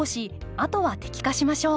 あとは摘果しましょう。